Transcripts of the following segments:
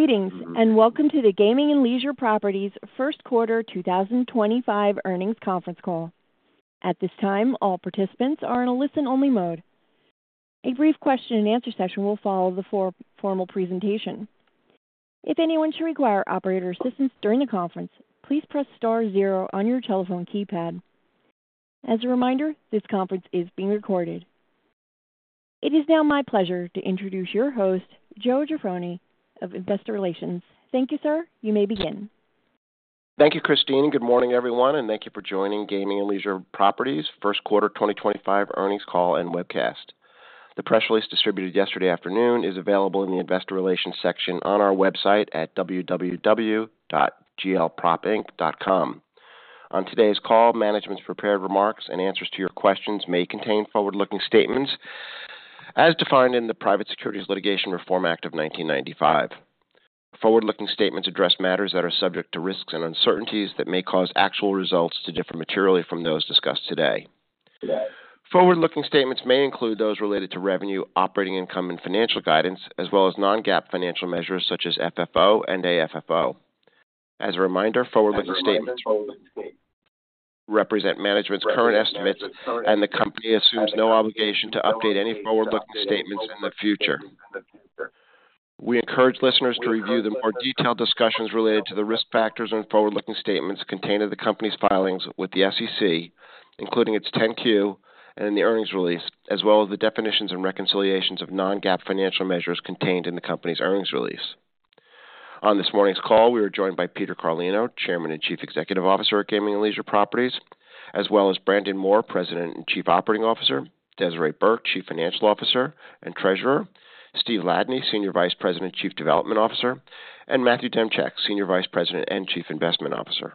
Greetings and welcome to the Gaming and Leisure Properties First Quarter 2025 Earnings Conference Call. At this time, all participants are in a listen-only mode. A brief question-and-answer session will follow the formal presentation. If anyone should require operator assistance during the conference, please press star zero on your telephone keypad. As a reminder, this conference is being recorded. It is now my pleasure to introduce your host, Joe Jaffoni, of Investor Relations. Thank you, sir. You may begin. Thank you, Christine. Good morning, everyone, and thank you for joining Gaming and Leisure Properties First Quarter 2025 Earnings Call and Webcast. The press release distributed yesterday afternoon is available in the Investor Relations section on our website at www.glpropinc.com. On today's call, management's prepared remarks and answers to your questions may contain forward-looking statements as defined in the Private Securities Litigation Reform Act of 1995. Forward-looking statements address matters that are subject to risks and uncertainties that may cause actual results to differ materially from those discussed today. Forward-looking statements may include those related to revenue, operating income, and financial guidance, as well as non-GAAP financial measures such as FFO and AFFO. As a reminder, forward-looking statements represent management's current estimates, and the company assumes no obligation to update any forward-looking statements in the future. We encourage listeners to review the more detailed discussions related to the risk factors and forward-looking statements contained in the company's filings with the SEC, including its 10-Q and the earnings release, as well as the definitions and reconciliations of non-GAAP financial measures contained in the company's earnings release. On this morning's call, we are joined by Peter Carlino, Chairman and Chief Executive Officer at Gaming and Leisure Properties, as well as Brandon Moore, President and Chief Operating Officer, Desiree Burke, Chief Financial Officer and Treasurer, Steve Ladany, Senior Vice President and Chief Development Officer, and Matthew Demchyk, Senior Vice President and Chief Investment Officer.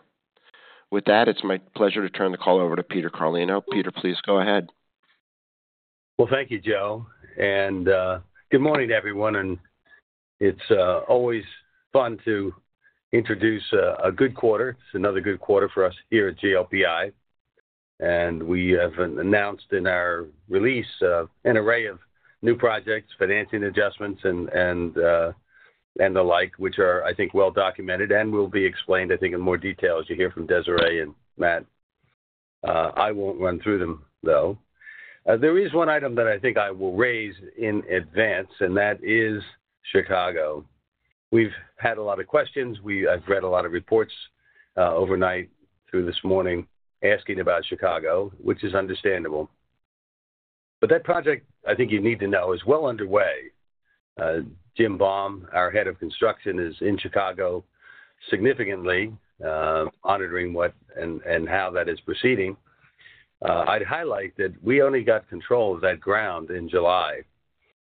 With that, it's my pleasure to turn the call over to Peter Carlino. Peter, please go ahead. Thank you, Joe. Good morning, everyone. It is always fun to introduce a good quarter. It is another good quarter for us here at GLPI. We have announced in our release an array of new projects, financing adjustments, and the like, which are, I think, well documented and will be explained, I think, in more detail as you hear from Desiree and Matt. I will not run through them, though. There is one item that I think I will raise in advance, and that is Chicago. We have had a lot of questions. I have read a lot of reports overnight through this morning asking about Chicago, which is understandable. That project, I think you need to know, is well underway. Jim Baum, our Head of Construction, is in Chicago significantly monitoring what and how that is proceeding. I'd highlight that we only got control of that ground in July,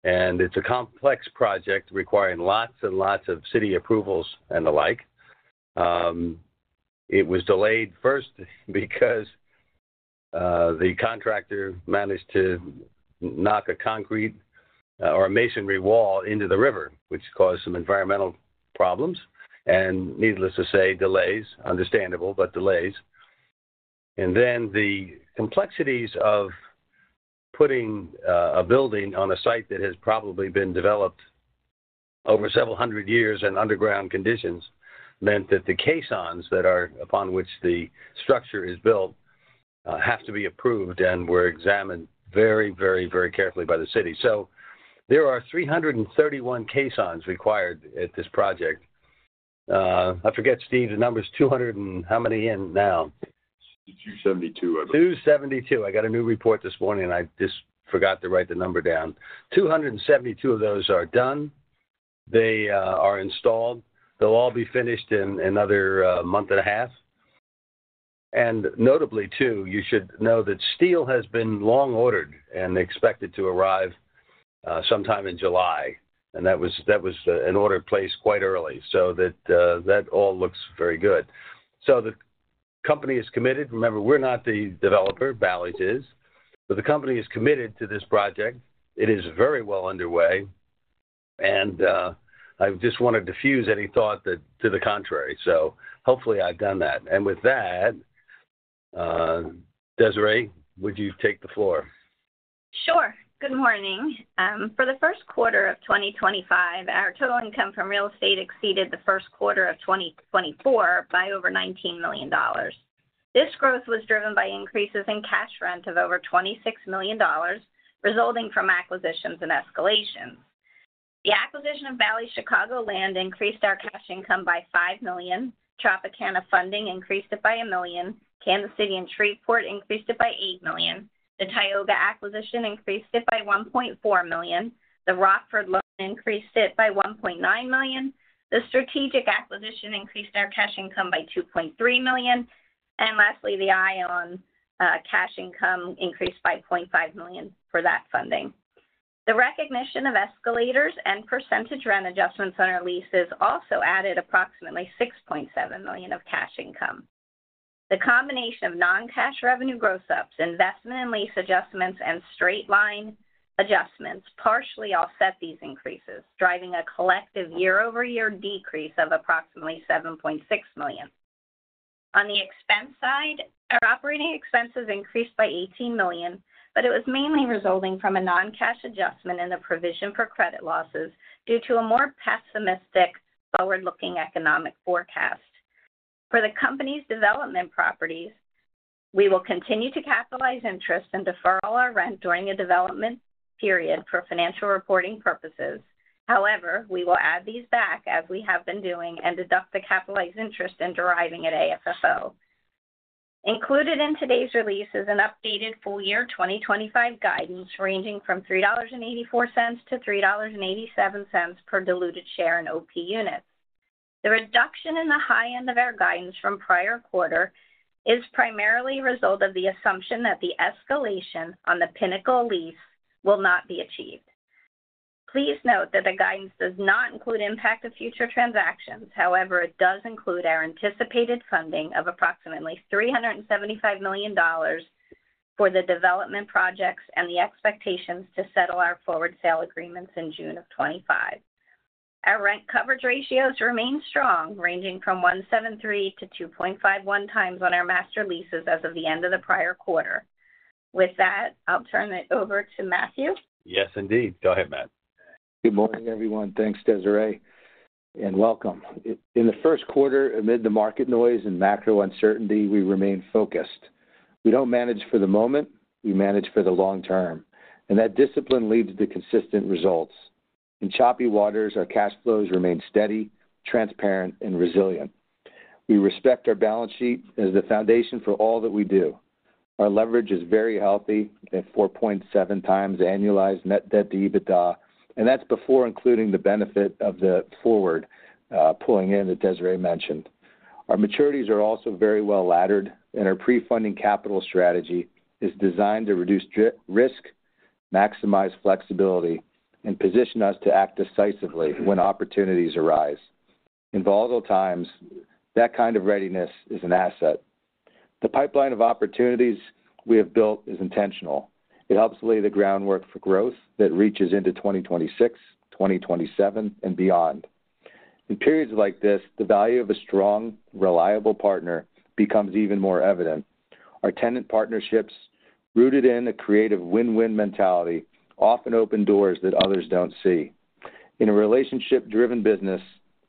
and it's a complex project requiring lots and lots of city approvals and the like. It was delayed first because the contractor managed to knock a concrete or a masonry wall into the river, which caused some environmental problems. Needless to say, delays, understandable, but delays. The complexities of putting a building on a site that has probably been developed over several hundred years in underground conditions meant that the caissons that are upon which the structure is built have to be approved and were examined very, very, very carefully by the city. There are 331 caissons required at this project. I forget, Steve, the number's 200 and how many in now? 272 of them. 272. I got a new report this morning, and I just forgot to write the number down. 272 of those are done. They are installed. They'll all be finished in another month and a half. Notably, too, you should know that steel has been long ordered and expected to arrive sometime in July. That was an order placed quite early. That all looks very good. The company is committed. Remember, we're not the developer. Bally's is. The company is committed to this project. It is very well underway. I just want to defuse any thought to the contrary. Hopefully, I've done that. With that, Desiree, would you take the floor? Sure. Good morning. For the first quarter of 2025, our total income from real estate exceeded the first quarter of 2024 by over $19 million. This growth was driven by increases in cash rent of over $26 million, resulting from acquisitions and escalations. The acquisition of Bally's Chicago land increased our cash income by $5 million. Tropicana funding increased it by $1 million. Kansas City and Shreveport increased it by $8 million. The Tioga acquisition increased it by $1.4 million. The Rockford loan increased it by $1.9 million. The strategic acquisition increased our cash income by $2.3 million. Lastly, the ION cash income increased by $0.5 million for that funding. The recognition of escalators and percentage rent adjustments on our leases also added approximately $6.7 million of cash income. The combination of non-cash revenue gross-ups, investment and lease adjustments, and straight-line adjustments partially offset these increases, driving a collective year-over-year decrease of approximately $7.6 million. On the expense side, our operating expenses increased by $18 million, but it was mainly resulting from a non-cash adjustment in the provision for credit losses due to a more pessimistic forward-looking economic forecast. For the company's development properties, we will continue to capitalize interest and defer all our rent during the development period for financial reporting purposes. However, we will add these back, as we have been doing, and deduct the capitalized interest in deriving at AFFO. Included in today's release is an updated full-year 2025 guidance ranging from $3.84-$3.87 per diluted share in OP units. The reduction in the high end of our guidance from prior quarter is primarily a result of the assumption that the escalation on the Pinnacle lease will not be achieved. Please note that the guidance does not include impact of future transactions. However, it does include our anticipated funding of approximately $375 million for the development projects and the expectations to settle our forward sale agreements in June of 2025. Our rent coverage ratios remain strong, ranging from 1.73 to 2.51 times on our master leases as of the end of the prior quarter. With that, I'll turn it over to Matthew. Yes, indeed. Go ahead, Matt. Good morning, everyone. Thanks, Desiree. Welcome. In the first quarter, amid the market noise and macro uncertainty, we remain focused. We do not manage for the moment. We manage for the long term. That discipline leads to consistent results. In choppy waters, our cash flows remain steady, transparent, and resilient. We respect our balance sheet as the foundation for all that we do. Our leverage is very healthy at 4.7 times annualized net debt to EBITDA, and that is before including the benefit of the forward pulling in that Desiree mentioned. Our maturities are also very well laddered, and our pre-funding capital strategy is designed to reduce risk, maximize flexibility, and position us to act decisively when opportunities arise. In volatile times, that kind of readiness is an asset. The pipeline of opportunities we have built is intentional. It helps lay the groundwork for growth that reaches into 2026, 2027, and beyond. In periods like this, the value of a strong, reliable partner becomes even more evident. Our tenant partnerships, rooted in a creative win-win mentality, often open doors that others don't see. In a relationship-driven business,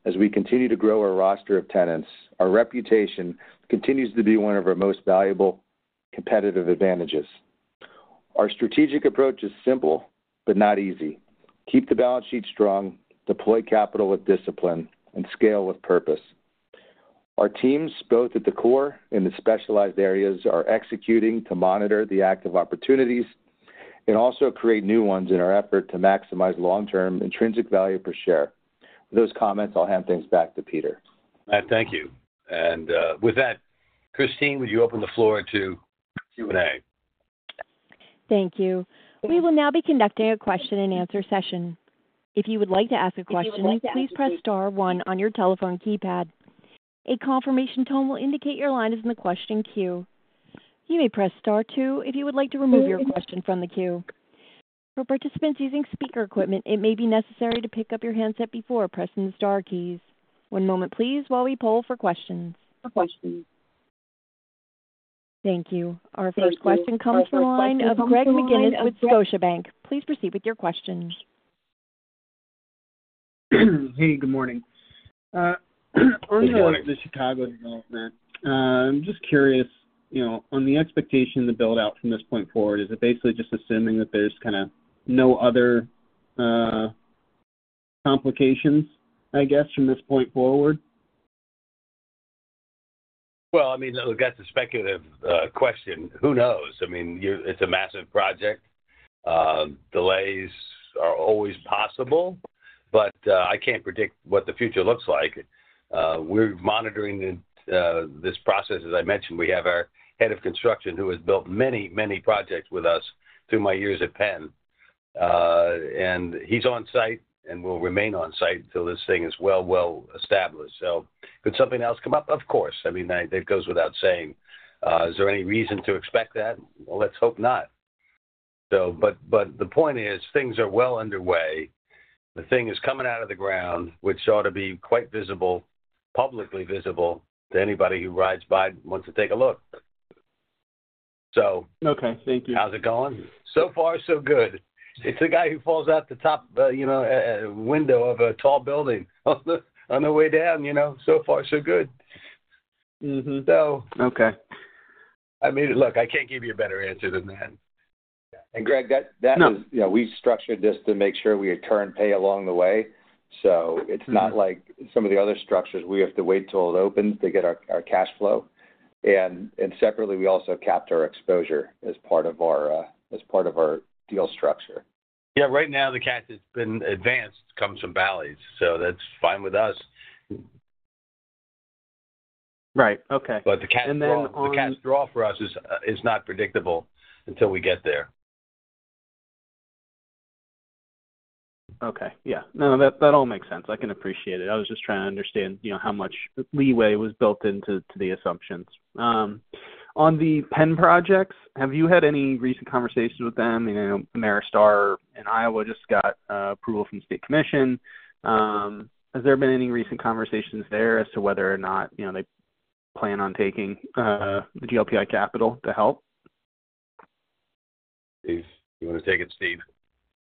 as we continue to grow our roster of tenants, our reputation continues to be one of our most valuable competitive advantages. Our strategic approach is simple, but not easy. Keep the balance sheet strong, deploy capital with discipline, and scale with purpose. Our teams, both at the core and the specialized areas, are executing to monitor the active opportunities and also create new ones in our effort to maximize long-term intrinsic value per share. With those comments, I'll hand things back to Peter. Matt, thank you. With that, Christine, would you open the floor to Q&A? Thank you. We will now be conducting a question-and-answer session. If you would like to ask a question, please press star one on your telephone keypad. A confirmation tone will indicate your line is in the question queue. You may press star two if you would like to remove your question from the queue. For participants using speaker equipment, it may be necessary to pick up your handset before pressing the star keys. One moment, please, while we poll for questions. Thank you. Our first question comes from a line of Greg McGinniss with Scotiabank. Please proceed with your question. Hey, good morning. On the Chicago development, I'm just curious, on the expectation to build out from this point forward, is it basically just assuming that there's kind of no other complications, I guess, from this point forward? I mean, that's a speculative question. Who knows? I mean, it's a massive project. Delays are always possible, but I can't predict what the future looks like. We're monitoring this process. As I mentioned, we have our head of construction, who has built many, many projects with us through my years at PENN. He's on site and will remain on site until this thing is well, well established. Could something else come up? Of course. I mean, that goes without saying. Is there any reason to expect that? Let's hope not. The point is, things are well underway. The thing is coming out of the ground, which ought to be quite visible, publicly visible to anybody who rides by and wants to take a look. Okay. Thank you. How's it going? So far, so good. It's the guy who falls out the top window of a tall building on the way down. So far, so good. Okay. I mean, look, I can't give you a better answer than that. Greg, that is. No. Yeah, we structured this to make sure we had turn pay along the way. It is not like some of the other structures. We have to wait till it opens to get our cash flow. Separately, we also capped our exposure as part of our deal structure. Yeah. Right now, the cash that's been advanced comes from Bally's. So that's fine with us. Right. Okay. The cash draw for us is not predictable until we get there. Okay. Yeah. No, that all makes sense. I can appreciate it. I was just trying to understand how much leeway was built into the assumptions. On the PENN projects, have you had any recent conversations with them? I know Ameristar in Iowa just got approval from State Commission. Has there been any recent conversations there as to whether or not they plan on taking the GLPI capital to help? Dave, do you want to take it, Steve?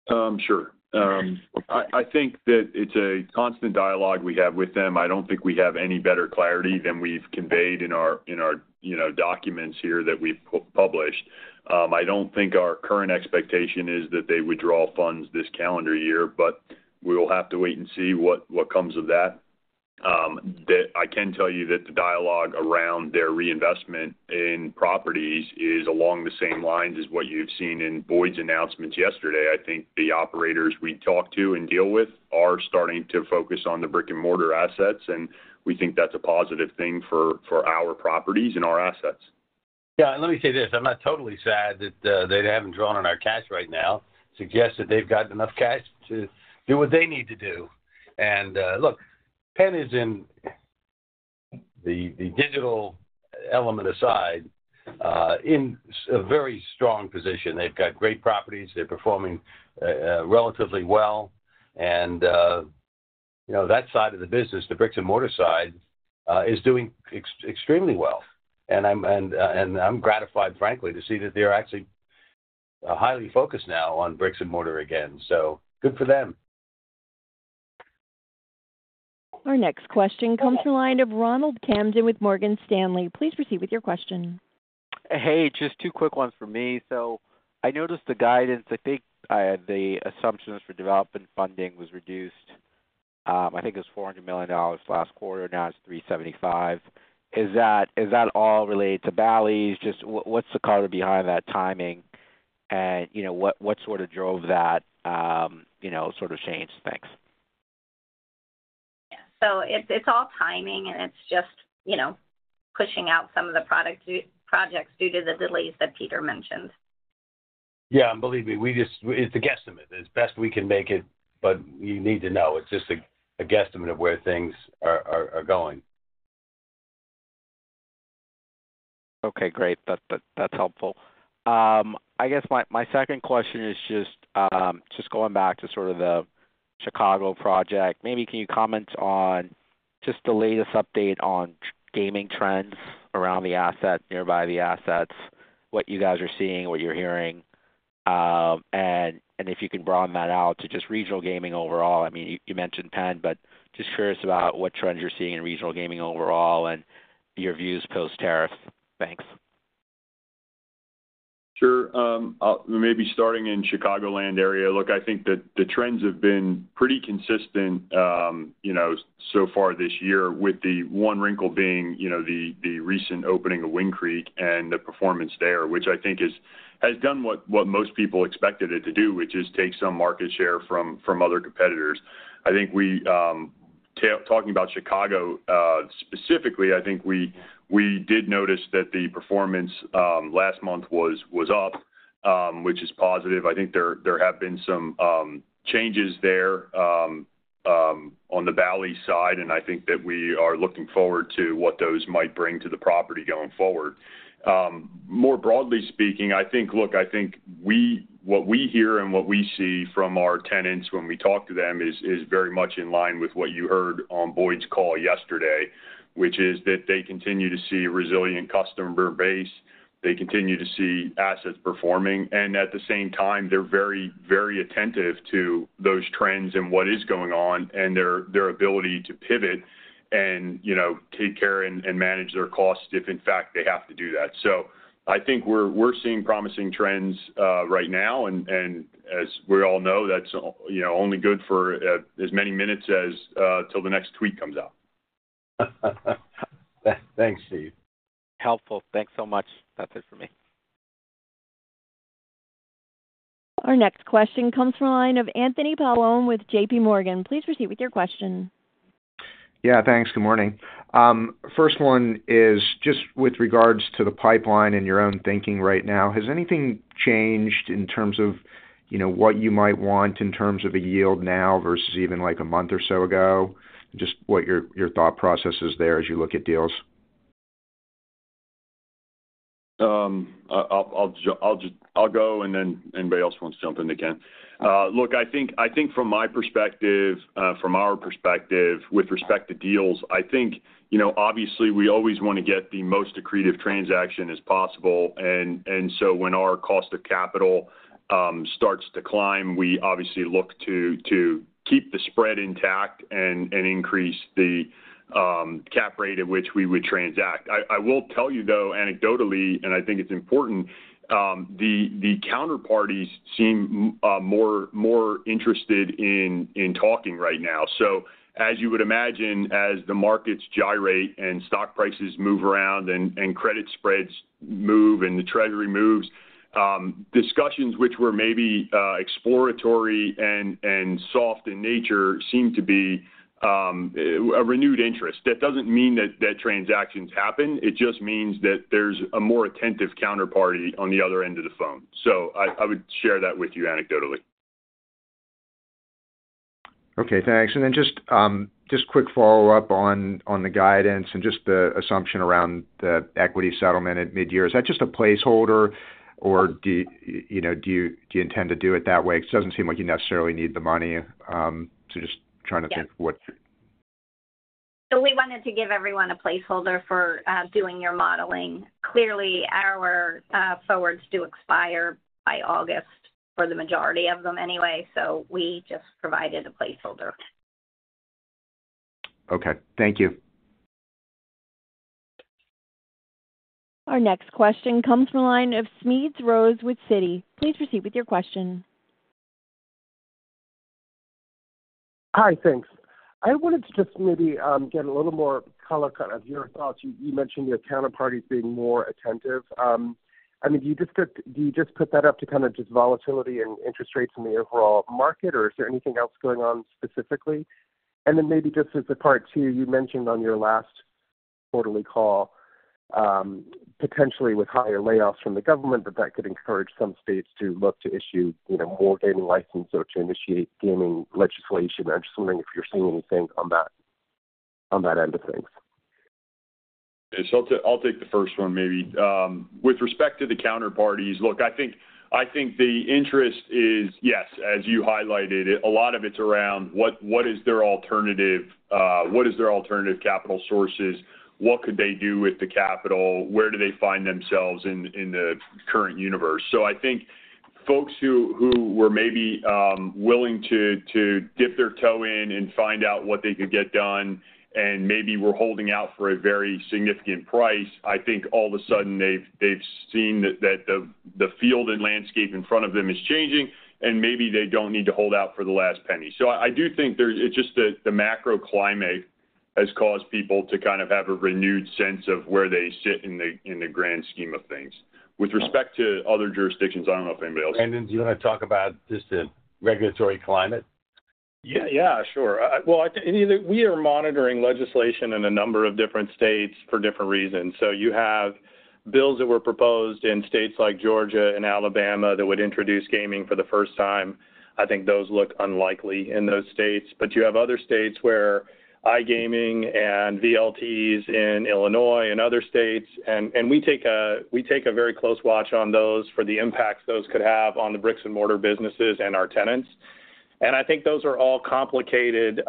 Sure. I think that it's a constant dialogue we have with them. I don't think we have any better clarity than we've conveyed in our documents here that we've published. I don't think our current expectation is that they withdraw funds this calendar year, but we will have to wait and see what comes of that. I can tell you that the dialogue around their reinvestment in properties is along the same lines as what you've seen in Boyd's announcements yesterday. I think the operators we talk to and deal with are starting to focus on the brick-and-mortar assets, and we think that's a positive thing for our properties and our assets. Yeah. Let me say this. I'm not totally sad that they haven't drawn on our cash right now. Suggests that they've got enough cash to do what they need to do. Look, PENN is, the digital element aside, in a very strong position. They've got great properties. They're performing relatively well. That side of the business, the brick-and-mortar side, is doing extremely well. I'm gratified, frankly, to see that they're actually highly focused now on brick-and-mortar again. Good for them. Our next question comes from a line of Ronald Kamdem with Morgan Stanley. Please proceed with your question. Hey, just two quick ones for me. I noticed the guidance, I think the assumptions for development funding was reduced. I think it was $400 million last quarter. Now it's $375 million. Is that all related to Bally's? Just what's the color behind that timing? What sort of drove that sort of change? Thanks. Yeah. It's all timing, and it's just pushing out some of the projects due to the delays that Peter mentioned. Yeah. Believe me, it's a guesstimate. As best we can make it, but you need to know. It's just a guesstimate of where things are going. Okay. Great. That's helpful. I guess my second question is just going back to sort of the Chicago project. Maybe can you comment on just the latest update on gaming trends around the assets, nearby the assets, what you guys are seeing, what you're hearing, and if you can broaden that out to just regional gaming overall? I mean, you mentioned PENN, but just curious about what trends you're seeing in regional gaming overall and your views post-terrif. Thanks. Sure. Maybe starting in Chicago land area. Look, I think that the trends have been pretty consistent so far this year, with the one wrinkle being the recent opening of Wind Creek and the performance there, which I think has done what most people expected it to do, which is take some market share from other competitors. I think talking about Chicago specifically, I think we did notice that the performance last month was up, which is positive. I think there have been some changes there on the Bally's side, and I think that we are looking forward to what those might bring to the property going forward. More broadly speaking, I think, look, I think what we hear and what we see from our tenants when we talk to them is very much in line with what you heard on Boyd's call yesterday, which is that they continue to see a resilient customer base. They continue to see assets performing. At the same time, they're very, very attentive to those trends and what is going on and their ability to pivot and take care and manage their costs if, in fact, they have to do that. I think we're seeing promising trends right now. As we all know, that's only good for as many minutes as till the next tweet comes out. Thanks, Steve. Helpful. Thanks so much. That's it for me. Our next question comes from a line of Anthony Paolone with JPMorgan. Please proceed with your question. Yeah. Thanks. Good morning. First one is just with regards to the pipeline and your own thinking right now. Has anything changed in terms of what you might want in terms of a yield now versus even like a month or so ago? Just what your thought process is there as you look at deals. I'll go, and then anybody else wants to jump in, they can. Look, I think from my perspective, from our perspective with respect to deals, I think obviously we always want to get the most accretive transaction as possible. And so when our cost of capital starts to climb, we obviously look to keep the spread intact and increase the cap rate at which we would transact. I will tell you, though, anecdotally, and I think it's important, the counterparties seem more interested in talking right now. As you would imagine, as the markets gyrate and stock prices move around and credit spreads move and the Treasury moves, discussions which were maybe exploratory and soft in nature seem to be a renewed interest. That doesn't mean that transactions happen. It just means that there's a more attentive counterparty on the other end of the phone. I would share that with you anecdotally. Okay. Thanks. Just quick follow-up on the guidance and just the assumption around the equity settlement at mid-year. Is that just a placeholder, or do you intend to do it that way? It does not seem like you necessarily need the money. Just trying to think what. We wanted to give everyone a placeholder for doing your modeling. Clearly, our forwards do expire by August for the majority of them anyway, so we just provided a placeholder. Okay. Thank you. Our next question comes from a line of Smedes Rose with Citi. Please proceed with your question. Hi. Thanks. I wanted to just maybe get a little more color kind of your thoughts. You mentioned your counterparty being more attentive. I mean, do you just put that up to kind of just volatility and interest rates in the overall market, or is there anything else going on specifically? Maybe just as a part two, you mentioned on your last quarterly call, potentially with higher layoffs from the government, that that could encourage some states to look to issue more gaming licenses or to initiate gaming legislation. I'm just wondering if you're seeing anything on that end of things. I'll take the first one maybe. With respect to the counterparties, look, I think the interest is, yes, as you highlighted, a lot of it's around what is their alternative? What is their alternative capital sources? What could they do with the capital? Where do they find themselves in the current universe? I think folks who were maybe willing to dip their toe in and find out what they could get done and maybe were holding out for a very significant price, I think all of a sudden they've seen that the field and landscape in front of them is changing, and maybe they do not need to hold out for the last penny. I do think it's just that the macro climate has caused people to kind of have a renewed sense of where they sit in the grand scheme of things. With respect to other jurisdictions, I don't know if anybody else. Brandon, do you want to talk about just the regulatory climate? Yeah. Yeah. Sure. We are monitoring legislation in a number of different states for different reasons. You have bills that were proposed in states like Georgia and Alabama that would introduce gaming for the first time. I think those look unlikely in those states. You have other states where iGaming and VLTs in Illinois and other states. We take a very close watch on those for the impacts those could have on the brick-and-mortar businesses and our tenants. I think those are all complicated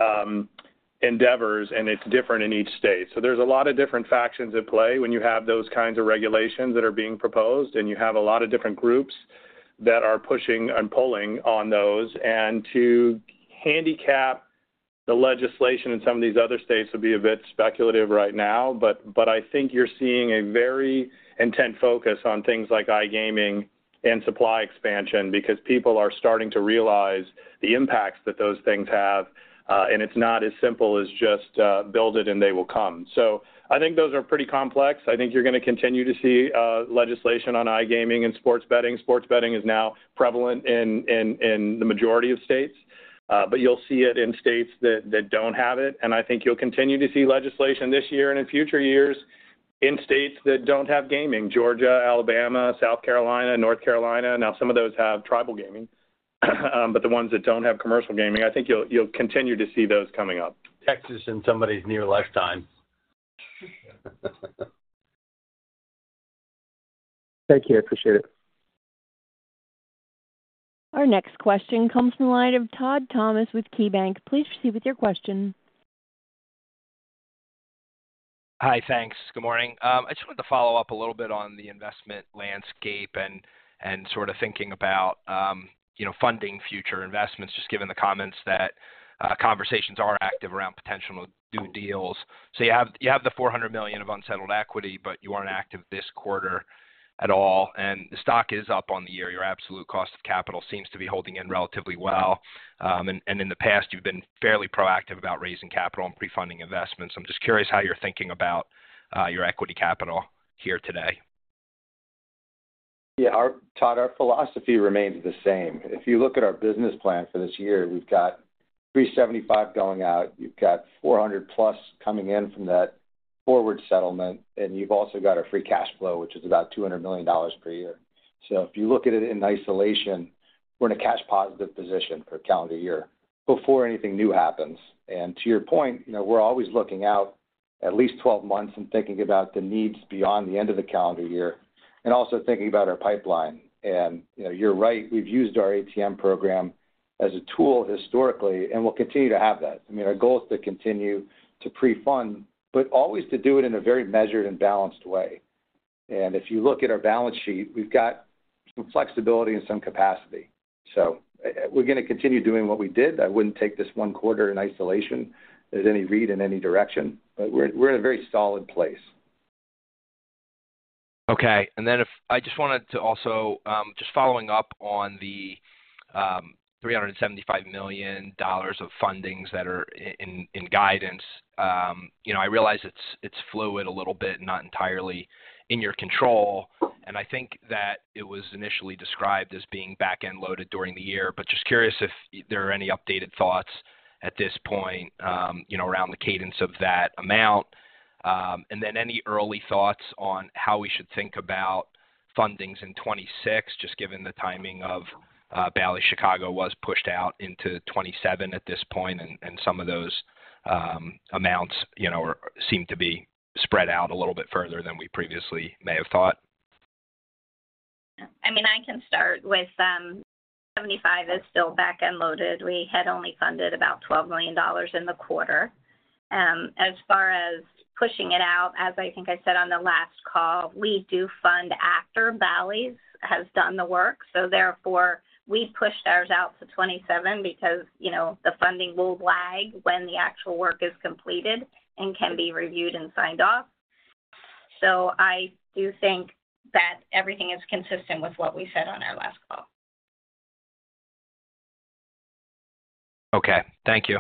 endeavors, and it is different in each state. There is a lot of different factions at play when you have those kinds of regulations that are being proposed, and you have a lot of different groups that are pushing and pulling on those. To handicap the legislation in some of these other states would be a bit speculative right now, but I think you're seeing a very intense focus on things like iGaming and supply expansion because people are starting to realize the impacts that those things have. It's not as simple as just build it and they will come. I think those are pretty complex. I think you're going to continue to see legislation on iGaming and sports betting. Sports betting is now prevalent in the majority of states, but you'll see it in states that don't have it. I think you'll continue to see legislation this year and in future years in states that don't have gaming: Georgia, Alabama, South Carolina, North Carolina. Some of those have tribal gaming, but the ones that don't have commercial gaming, I think you'll continue to see those coming up. Texas and somebody's near lifetime. Thank you. I appreciate it. Our next question comes from a line of Todd Thomas with KeyBanc. Please proceed with your question. Hi. Thanks. Good morning. I just wanted to follow up a little bit on the investment landscape and sort of thinking about funding future investments, just given the comments that conversations are active around potential new deals. You have the $400 million of unsettled equity, but you are not active this quarter at all. The stock is up on the year. Your absolute cost of capital seems to be holding in relatively well. In the past, you have been fairly proactive about raising capital and pre-funding investments. I am just curious how you are thinking about your equity capital here today. Yeah. Todd, our philosophy remains the same. If you look at our business plan for this year, we've got $375 million going out. You've got $400+ million coming in from that forward settlement, and you've also got a free cash flow, which is about $200 million per year. If you look at it in isolation, we're in a cash-positive position for a calendar year before anything new happens. To your point, we're always looking out at least 12 months and thinking about the needs beyond the end of the calendar year and also thinking about our pipeline. You're right. We've used our ATM program as a tool historically, and we'll continue to have that. I mean, our goal is to continue to pre-fund, but always to do it in a very measured and balanced way. If you look at our balance sheet, we've got some flexibility and some capacity. We're going to continue doing what we did. I wouldn't take this one quarter in isolation as any read in any direction, but we're in a very solid place. Okay. I just wanted to also just follow up on the $375 million of fundings that are in guidance. I realize it's fluid a little bit and not entirely in your control. I think that it was initially described as being back-end loaded during the year, but just curious if there are any updated thoughts at this point around the cadence of that amount. Any early thoughts on how we should think about fundings in 2026, just given the timing of Bally's Chicago was pushed out into 2027 at this point, and some of those amounts seem to be spread out a little bit further than we previously may have thought. Yeah. I mean, I can start with $175 million is still back-end loaded. We had only funded about $12 million in the quarter. As far as pushing it out, as I think I said on the last call, we do fund after Bally's has done the work. Therefore, we pushed ours out to 2027 because the funding will lag when the actual work is completed and can be reviewed and signed off. I do think that everything is consistent with what we said on our last call. Okay. Thank you.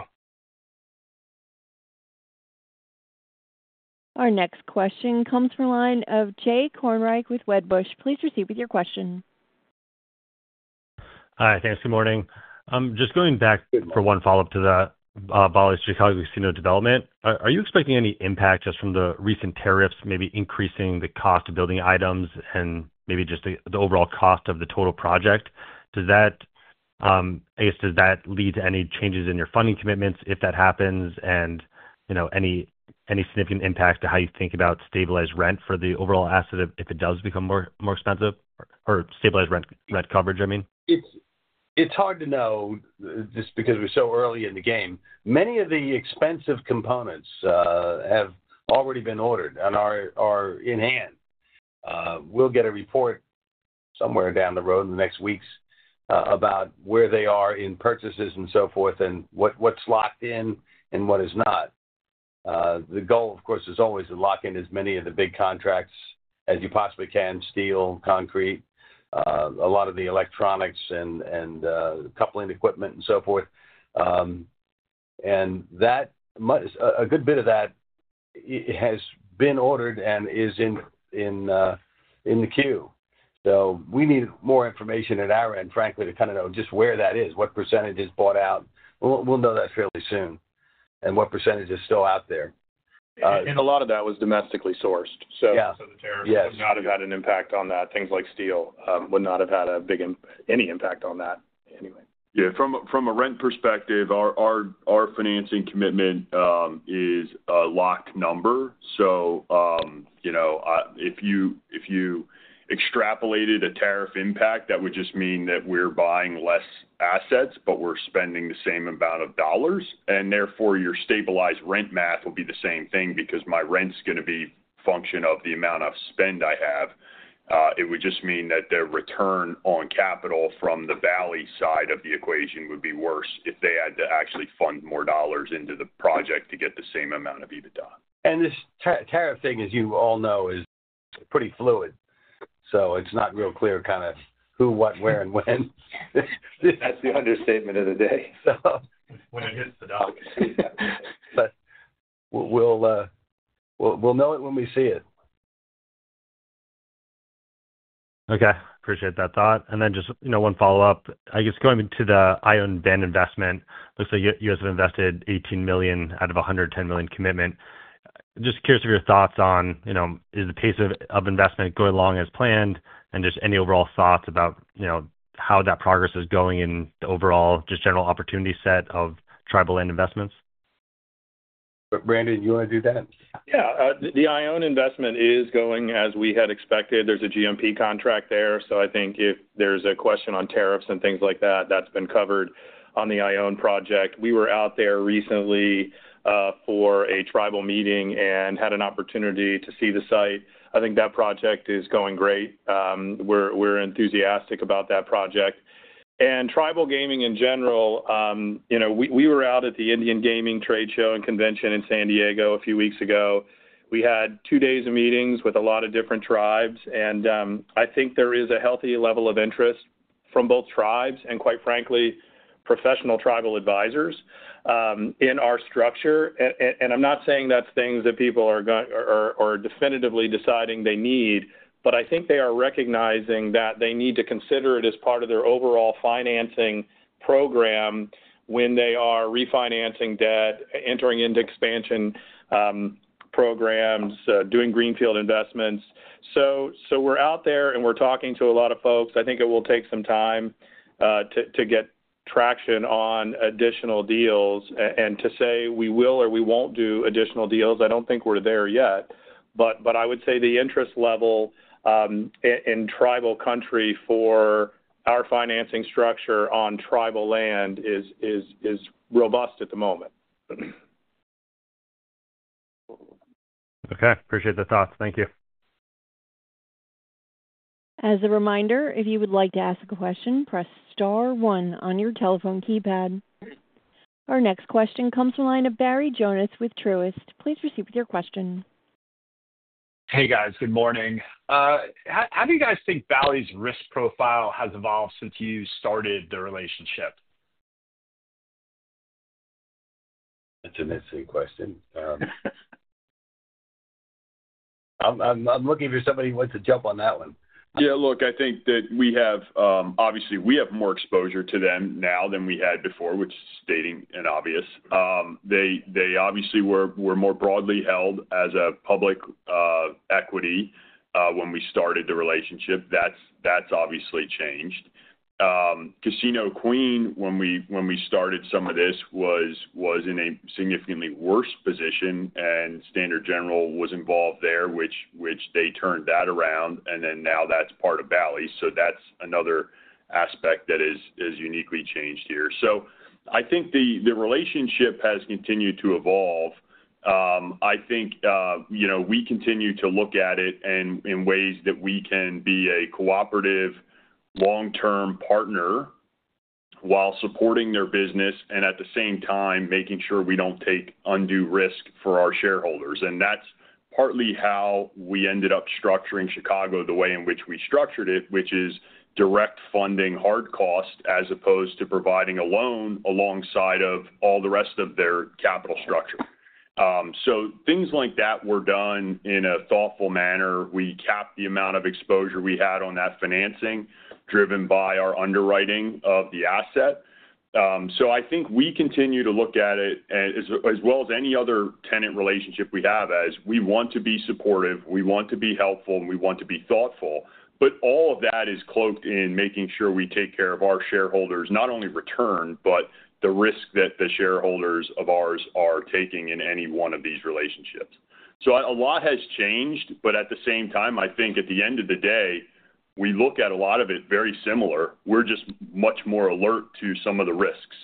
Our next question comes from a line of Jay Kornreich with Wedbush. Please proceed with your question. Hi. Thanks. Good morning. Just going back for one follow-up to the Bally's Chicago casino development, are you expecting any impact just from the recent tariffs, maybe increasing the cost of building items and maybe just the overall cost of the total project? I guess, does that lead to any changes in your funding commitments if that happens and any significant impact to how you think about stabilized rent for the overall asset if it does become more expensive or stabilized rent coverage, I mean? It's hard to know just because we're so early in the game. Many of the expensive components have already been ordered and are in hand. We'll get a report somewhere down the road in the next weeks about where they are in purchases and so forth and what's locked in and what is not. The goal, of course, is always to lock in as many of the big contracts as you possibly can: steel, concrete, a lot of the electronics and coupling equipment and so forth. A good bit of that has been ordered and is in the queue. We need more information on our end, frankly, to kind of know just where that is, what percentage is bought out. We'll know that fairly soon and what percentage is still out there. A lot of that was domestically sourced. The tariffs would not have had an impact on that. Things like steel would not have had any impact on that anyway. Yeah. From a rent perspective, our financing commitment is a locked number. If you extrapolated a tariff impact, that would just mean that we're buying fewer assets, but we're spending the same amount of dollars. Therefore, your stabilized rent math will be the same thing because my rent's going to be a function of the amount I've spent. It would just mean that the return on capital from the Bally's side of the equation would be worse if they had to actually fund more dollars into the project to get the same amount of EBITDA. This tariff thing, as you all know, is pretty fluid. It is not real clear kind of who, what, where, and when. That is the understatement of the day. When it hits the dock. We will know it when we see it. Okay. Appreciate that thought. Just one follow-up. I guess going to the Ion Van investment, looks like you guys have invested $18 million out of a $110 million commitment. Just curious of your thoughts on, is the pace of investment going along as planned? Just any overall thoughts about how that progress is going in the overall just general opportunity set of tribal land investments? Brandon, you want to do that? Yeah. The Ion investment is going as we had expected. There's a GMP contract there. I think if there's a question on tariffs and things like that, that's been covered on the Ion project. We were out there recently for a tribal meeting and had an opportunity to see the site. I think that project is going great. We're enthusiastic about that project. Tribal gaming in general, we were out at the Indian Gaming Trade Show & Convention in San Diego a few weeks ago. We had two days of meetings with a lot of different tribes. I think there is a healthy level of interest from both tribes and, quite frankly, professional tribal advisors in our structure. I'm not saying that's things that people are definitively deciding they need, but I think they are recognizing that they need to consider it as part of their overall financing program when they are refinancing debt, entering into expansion programs, doing greenfield investments. We are out there and we are talking to a lot of folks. I think it will take some time to get traction on additional deals and to say we will or we will not do additional deals. I do not think we are there yet. I would say the interest level in tribal country for our financing structure on tribal land is robust at the moment. Okay. Appreciate the thoughts. Thank you. As a reminder, if you would like to ask a question, press star one on your telephone keypad. Our next question comes from a line of Barry Jonas with Truist. Please proceed with your question. Hey, guys. Good morning. How do you guys think Bally's risk profile has evolved since you started the relationship? That's an interesting question. I'm looking for somebody who wants to jump on that one. Yeah. Look, I think that we have obviously, we have more exposure to them now than we had before, which is stating the obvious. They obviously were more broadly held as a public equity when we started the relationship. That's obviously changed. Casino Queen, when we started some of this, was in a significantly worse position, and Standard General was involved there, which they turned that around. And then now that's part of Bally's. That is another aspect that is uniquely changed here. I think the relationship has continued to evolve. I think we continue to look at it in ways that we can be a cooperative long-term partner while supporting their business and at the same time making sure we do not take undue risk for our shareholders. That is partly how we ended up structuring Chicago, the way in which we structured it, which is direct funding hard cost as opposed to providing a loan alongside all the rest of their capital structure. Things like that were done in a thoughtful manner. We capped the amount of exposure we had on that financing driven by our underwriting of the asset. I think we continue to look at it as well as any other tenant relationship we have as we want to be supportive, we want to be helpful, and we want to be thoughtful. All of that is cloaked in making sure we take care of our shareholders, not only return, but the risk that the shareholders of ours are taking in any one of these relationships. A lot has changed, but at the same time, I think at the end of the day, we look at a lot of it very similar. We're just much more alert to some of the risks.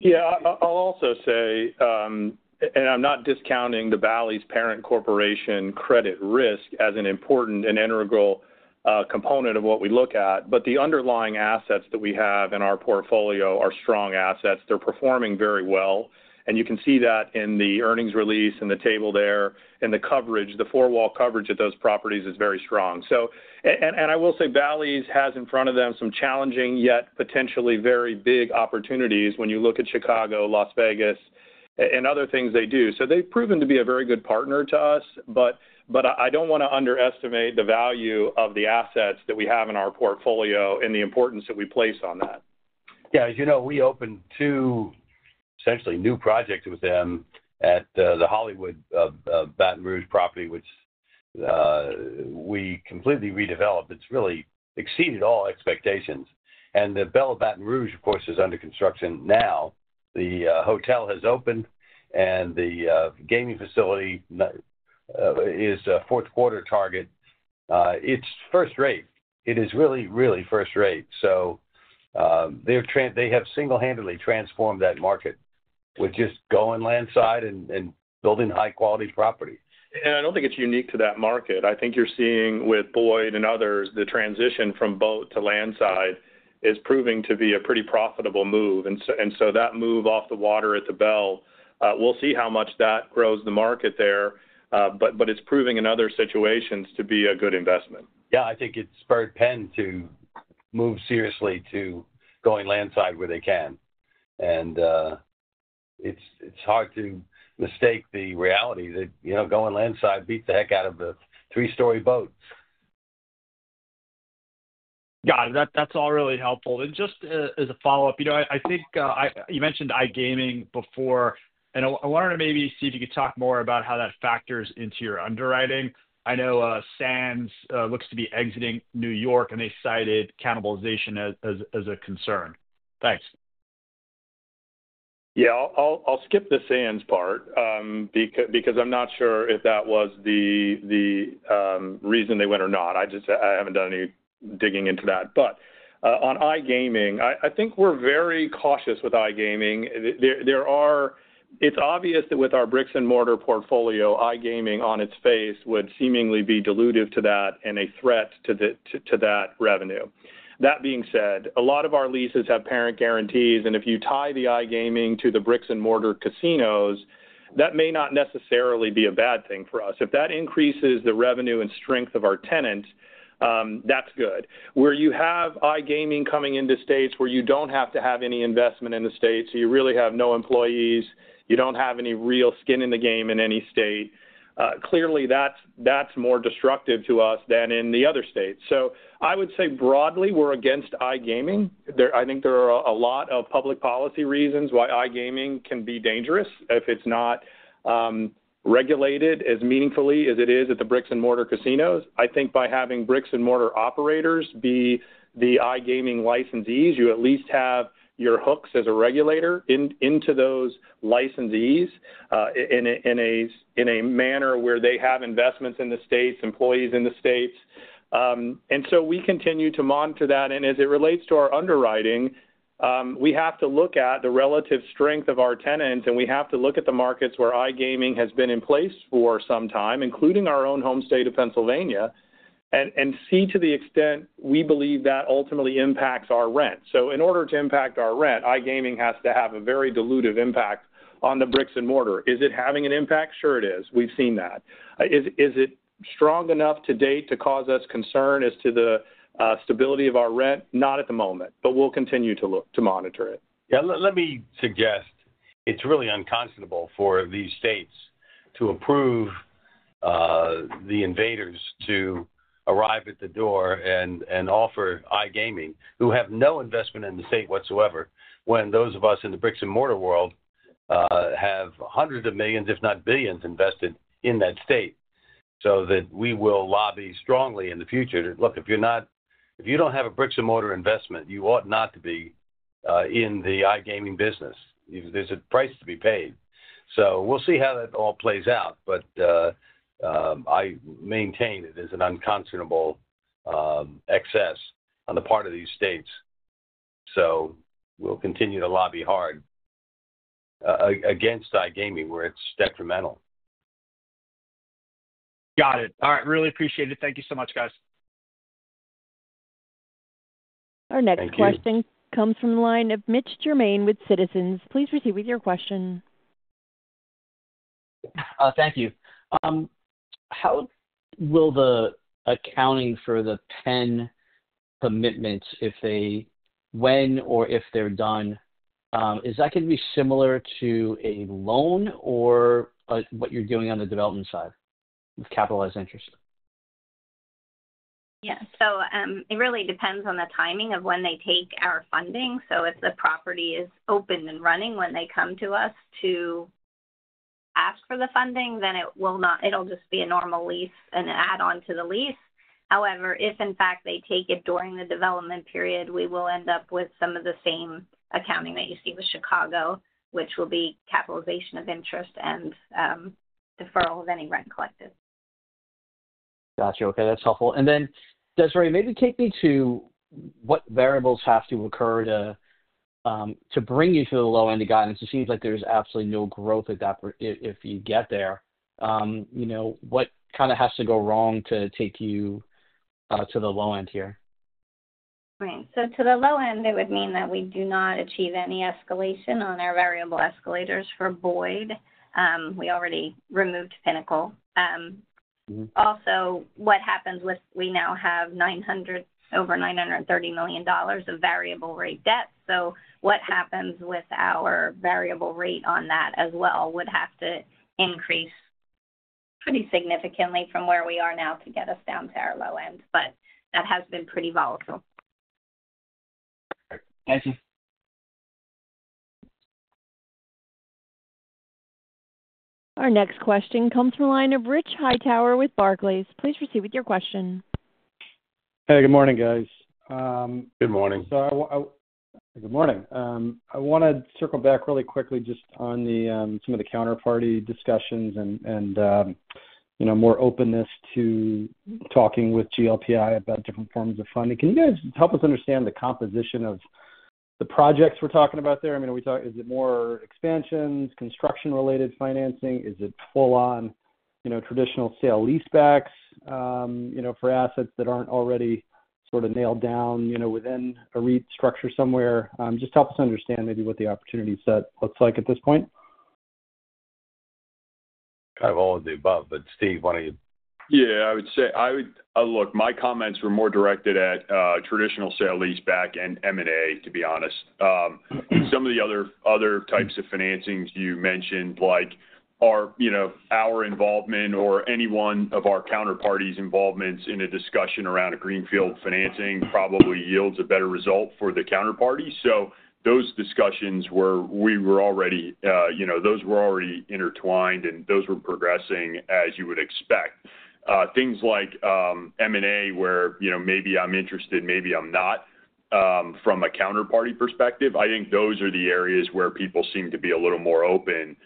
Yeah. I'll also say, and I'm not discounting the Bally's parent corporation credit risk as an important and integral component of what we look at, but the underlying assets that we have in our portfolio are strong assets. They're performing very well. You can see that in the earnings release and the table there and the coverage. The four-wall coverage at those properties is very strong. I will say Bally's has in front of them some challenging yet potentially very big opportunities when you look at Chicago, Las Vegas, and other things they do. They've proven to be a very good partner to us, but I don't want to underestimate the value of the assets that we have in our portfolio and the importance that we place on that. Yeah. As you know, we opened two essentially new projects with them at the Hollywood Baton Rouge property, which we completely redeveloped. It's really exceeded all expectations. The Belle of Baton Rouge, of course, is under construction now. The hotel has opened, and the gaming facility is a fourth-quarter target. It's first rate. It is really, really first rate. They have single-handedly transformed that market with just going landside and building high-quality property. I do not think it is unique to that market. I think you are seeing with Boyd and others, the transition from boat to landside is proving to be a pretty profitable move. That move off the water at the bell, we will see how much that grows the market there, but it is proving in other situations to be a good investment. Yeah. I think it's spurred PENN to move seriously to going landside where they can. And it's hard to mistake the reality that going landside beats the heck out of the three-story boat. Got it. That's all really helpful. Just as a follow-up, I think you mentioned iGaming before, and I wanted to maybe see if you could talk more about how that factors into your underwriting. I know Sands looks to be exiting New York, and they cited cannibalization as a concern. Thanks. Yeah. I'll skip the Sands part because I'm not sure if that was the reason they went or not. I haven't done any digging into that. On iGaming, I think we're very cautious with iGaming. It's obvious that with our bricks and mortar portfolio, iGaming on its face would seemingly be dilutive to that and a threat to that revenue. That being said, a lot of our leases have parent guarantees. If you tie the iGaming to the bricks and mortar casinos, that may not necessarily be a bad thing for us. If that increases the revenue and strength of our tenants, that's good. Where you have iGaming coming into states where you do not have to have any investment in the states, you really have no employees, you do not have any real skin in the game in any state, clearly that is more destructive to us than in the other states. I would say broadly, we are against iGaming. I think there are a lot of public policy reasons why iGaming can be dangerous if it is not regulated as meaningfully as it is at the bricks and mortar casinos. I think by having bricks and mortar operators be the iGaming licensees, you at least have your hooks as a regulator into those licensees in a manner where they have investments in the states, employees in the states. We continue to monitor that. As it relates to our underwriting, we have to look at the relative strength of our tenants, and we have to look at the markets where iGaming has been in place for some time, including our own home state of Pennsylvania, and see to the extent we believe that ultimately impacts our rent. In order to impact our rent, iGaming has to have a very dilutive impact on the bricks and mortar. Is it having an impact? Sure it is. We've seen that. Is it strong enough to date to cause us concern as to the stability of our rent? Not at the moment, but we'll continue to monitor it. Yeah. Let me suggest it's really unconscionable for these states to approve the invaders to arrive at the door and offer iGaming, who have no investment in the state whatsoever, when those of us in the bricks and mortar world have hundreds of millions, if not billions, invested in that state. We will lobby strongly in the future. Look, if you don't have a bricks and mortar investment, you ought not to be in the iGaming business. There's a price to be paid. We will see how that all plays out, but I maintain it is an unconscionable excess on the part of these states. We will continue to lobby hard against iGaming where it's detrimental. Got it. All right. Really appreciate it. Thank you so much, guys. Our next question comes from the line of Mitch Germain with Citizens. Please proceed with your question. Thank you. How will the accounting for the PENN commitments, if they when or if they're done, is that going to be similar to a loan or what you're doing on the development side with capitalized interest? Yeah. It really depends on the timing of when they take our funding. If the property is open and running when they come to us to ask for the funding, then it'll just be a normal lease and add on to the lease. However, if in fact they take it during the development period, we will end up with some of the same accounting that you see with Chicago, which will be capitalization of interest and deferral of any rent collected. Gotcha. Okay. That's helpful. Desiree, maybe take me to what variables have to occur to bring you to the low end of guidance. It seems like there's absolutely no growth if you get there. What kind of has to go wrong to take you to the low end here? Right. To the low end, it would mean that we do not achieve any escalation on our variable escalators for Boyd. We already removed Pinnacle. Also, what happens with we now have over $930 million of variable rate debt. What happens with our variable rate on that as well would have to increase pretty significantly from where we are now to get us down to our low end. That has been pretty volatile. Thank you. Our next question comes from a line of Rich Hightower with Barclays. Please proceed with your question. Hey, good morning, guys. Good morning. Good morning. I want to circle back really quickly just on some of the counterparty discussions and more openness to talking with GLPI about different forms of funding. Can you guys help us understand the composition of the projects we're talking about there? I mean, is it more expansions, construction-related financing? Is it full-on traditional sale leasebacks for assets that aren't already sort of nailed down within a REIT structure somewhere? Just help us understand maybe what the opportunity set looks like at this point. Kind of all of the above, but Steve, why don't you? Yeah. I would say, look, my comments were more directed at traditional sale-leaseback and M&A, to be honest. Some of the other types of financings you mentioned, like our involvement or any one of our counterparties' involvements in a discussion around a greenfield financing probably yields a better result for the counterparty. So those discussions where we were already, those were already intertwined, and those were progressing as you would expect. Things like M&A where maybe I'm interested, maybe I'm not from a counterparty perspective, I think those are the areas where people seem to be a little more open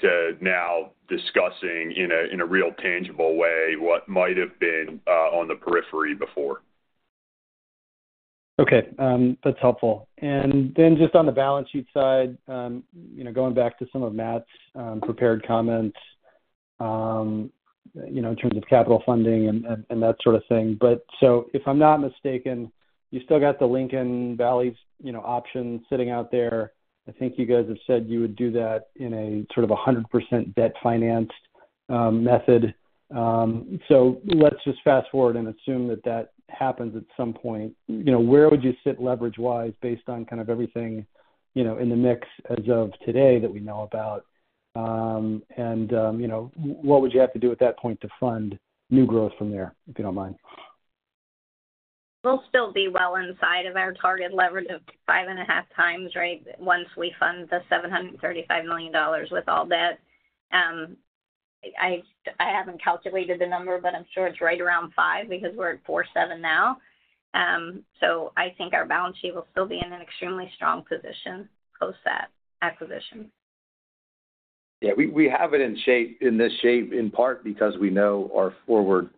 to now discussing in a real tangible way what might have been on the periphery before. Okay. That's helpful. Then just on the balance sheet side, going back to some of Matt's prepared comments in terms of capital funding and that sort of thing. If I'm not mistaken, you still got the Lincoln Valley's option sitting out there. I think you guys have said you would do that in a sort of 100% debt-financed method. Let's just fast forward and assume that that happens at some point. Where would you sit leverage-wise based on kind of everything in the mix as of today that we know about? What would you have to do at that point to fund new growth from there, if you don't mind? We'll still be well inside of our target leverage of five and a half times, right, once we fund the $735 million with all debt. I haven't calculated the number, but I'm sure it's right around five because we're at 4.7 now. I think our balance sheet will still be in an extremely strong position post-that acquisition. Yeah. We have it in this shape in part because we know our forward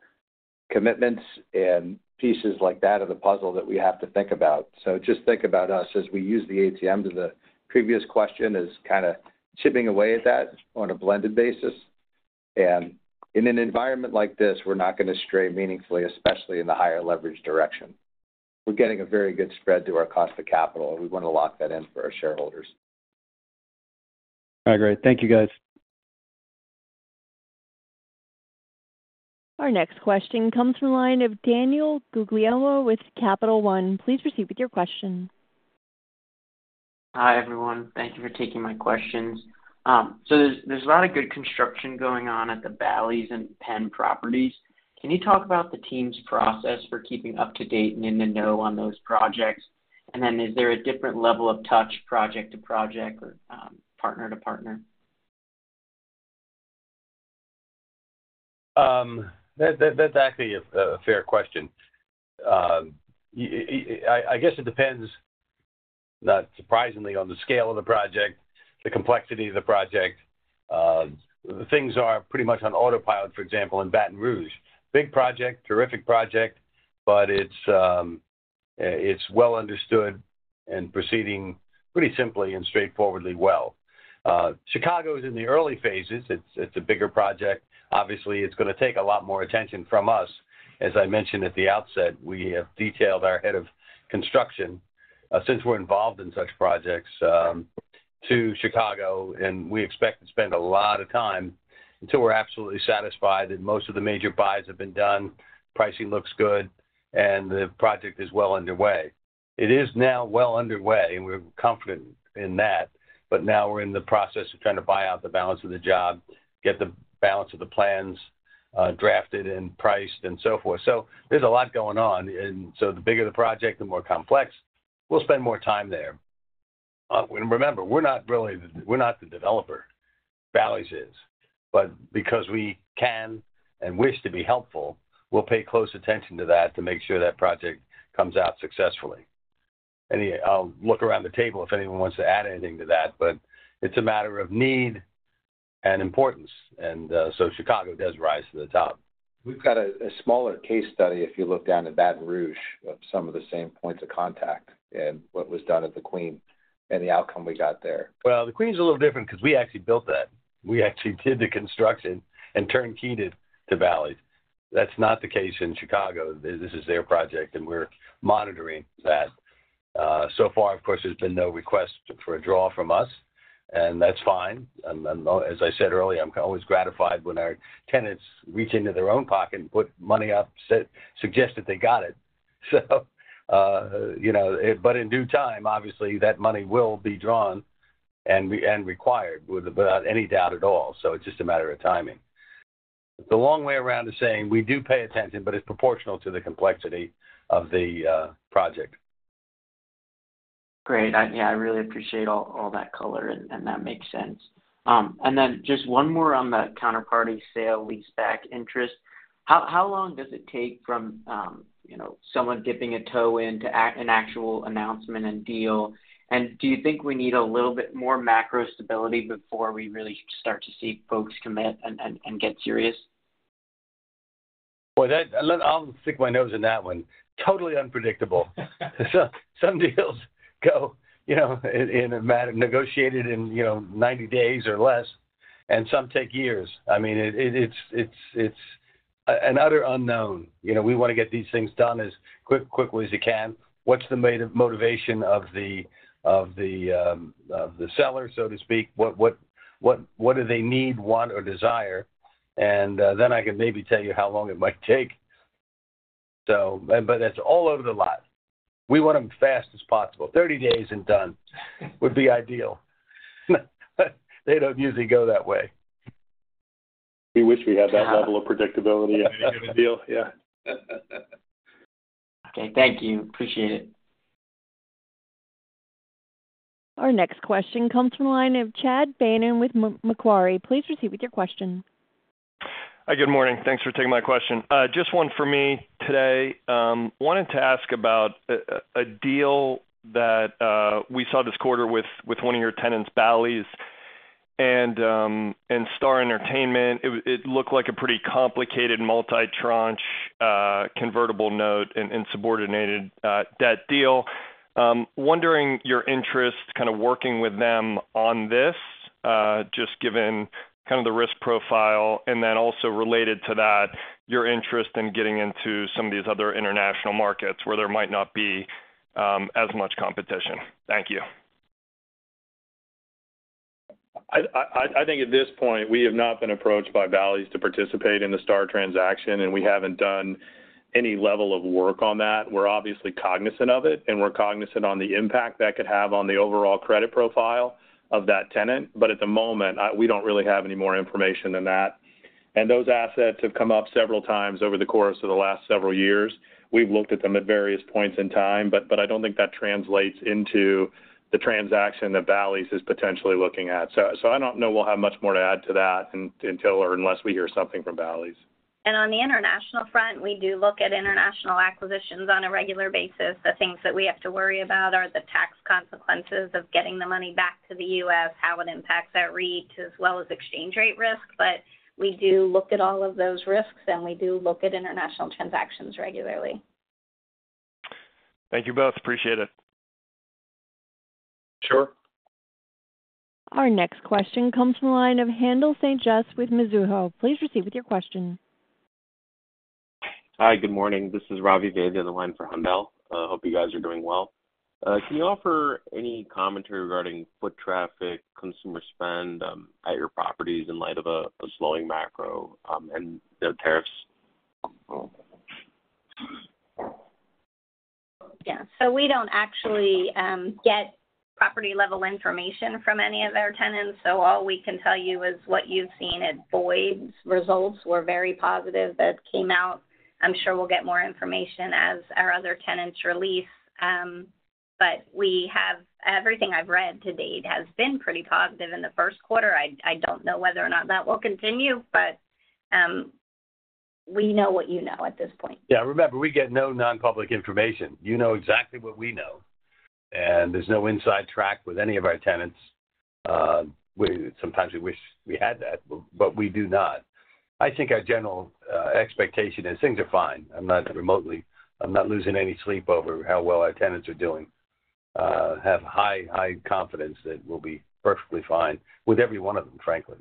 commitments and pieces like that of the puzzle that we have to think about. Just think about us as we use the ATM to the previous question as kind of chipping away at that on a blended basis. In an environment like this, we're not going to stray meaningfully, especially in the higher leverage direction. We're getting a very good spread to our cost of capital, and we want to lock that in for our shareholders. All right. Great. Thank you, guys. Our next question comes from a line of Daniel Guglielmo with Capital One. Please proceed with your question. Hi everyone. Thank you for taking my questions. There's a lot of good construction going on at the Bally's and PENN properties. Can you talk about the team's process for keeping up to date and in the know on those projects? Is there a different level of touch project to project or partner to partner? That's actually a fair question. I guess it depends, not surprisingly, on the scale of the project, the complexity of the project. Things are pretty much on autopilot, for example, in Baton Rouge. Big project, terrific project, but it's well understood and proceeding pretty simply and straightforwardly well. Chicago is in the early phases. It's a bigger project. Obviously, it's going to take a lot more attention from us. As I mentioned at the outset, we have detailed our head of construction, since we're involved in such projects, to Chicago, and we expect to spend a lot of time until we're absolutely satisfied that most of the major buys have been done, pricing looks good, and the project is well underway. It is now well underway, and we're confident in that. Now we're in the process of trying to buy out the balance of the job, get the balance of the plans drafted and priced and so forth. There's a lot going on. The bigger the project, the more complex, we'll spend more time there. Remember, we're not really the developer. Bally's is. Because we can and wish to be helpful, we'll pay close attention to that to make sure that project comes out successfully. I'll look around the table if anyone wants to add anything to that, but it's a matter of need and importance. Chicago does rise to the top. We've got a smaller case study if you look down at Baton Rouge of some of the same points of contact and what was done at The Queen and the outcome we got there. The Queen's a little different because we actually built that. We actually did the construction and turnkeyed it to Bally's. That's not the case in Chicago. This is their project, and we're monitoring that. So far, of course, there's been no request for a draw from us, and that's fine. As I said earlier, I'm always gratified when our tenants reach into their own pocket and put money up, suggest that they got it. In due time, obviously, that money will be drawn and required without any doubt at all. It's just a matter of timing. The long way around is saying we do pay attention, but it's proportional to the complexity of the project. Great. Yeah. I really appreciate all that color, and that makes sense. Just one more on the counterparty sale-leaseback interest. How long does it take from someone dipping a toe into an actual announcement and deal? Do you think we need a little bit more macro stability before we really start to see folks commit and get serious? Boy, I'll stick my nose in that one. Totally unpredictable. Some deals go and are negotiated in 90 days or less, and some take years. I mean, it's an utter unknown. We want to get these things done as quickly as we can. What's the motivation of the seller, so to speak? What do they need, want, or desire? I can maybe tell you how long it might take. That's all over the lot. We want them as fast as possible. Thirty days and done would be ideal. They don't usually go that way. We wish we had that level of predictability at the end of the deal. Yeah. Okay. Thank you. Appreciate it. Our next question comes from a line of Chad Beynon with Macquarie. Please proceed with your question. Hi. Good morning. Thanks for taking my question. Just one for me today. Wanted to ask about a deal that we saw this quarter with one of your tenants, Bally's, and Star Entertainment. It looked like a pretty complicated multi-tranche convertible note and subordinated debt deal. Wondering your interest kind of working with them on this, just given kind of the risk profile, and then also related to that, your interest in getting into some of these other international markets where there might not be as much competition. Thank you. I think at this point, we have not been approached by Bally's to participate in the Star transaction, and we haven't done any level of work on that. We're obviously cognizant of it, and we're cognizant of the impact that could have on the overall credit profile of that tenant. At the moment, we don't really have any more information than that. Those assets have come up several times over the course of the last several years. We've looked at them at various points in time, but I don't think that translates into the transaction that Bally's is potentially looking at. I don't know we'll have much more to add to that until or unless we hear something from Bally's. On the international front, we do look at international acquisitions on a regular basis. The things that we have to worry about are the tax consequences of getting the money back to the U.S., how it impacts our REITs, as well as exchange rate risk. We do look at all of those risks, and we do look at international transactions regularly. Thank you both. Appreciate it. Sure. Our next question comes from a line of Handel St. Juste with Mizuho. Please proceed with your question. Hi. Good morning. This is Ravi Vaidya on the line for Handel. I hope you guys are doing well. Can you offer any commentary regarding foot traffic, consumer spend at your properties in light of a slowing macro and the tariffs? Yeah. We don't actually get property-level information from any of our tenants. All we can tell you is what you've seen at Boyd's results were very positive that came out. I'm sure we'll get more information as our other tenants release. Everything I've read to date has been pretty positive in the first quarter. I don't know whether or not that will continue, but we know what you know at this point. Yeah. Remember, we get no non-public information. You know exactly what we know. There is no inside track with any of our tenants. Sometimes we wish we had that, but we do not. I think our general expectation is things are fine. I'm not remotely losing any sleep over how well our tenants are doing. Have high, high confidence that we'll be perfectly fine with every one of them, frankly.